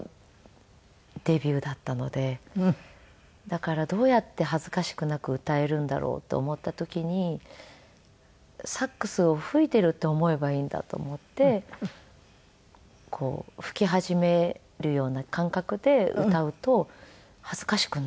だからどうやって恥ずかしくなく歌えるんだろうと思った時にサックスを吹いているって思えばいいんだと思って吹き始めるような感覚で歌うと恥ずかしく。